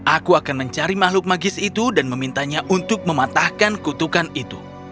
aku akan mencari makhluk magis itu dan memintanya untuk mematahkan kutukan itu